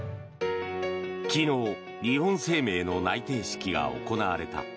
昨日、日本生命の内定式が行われた。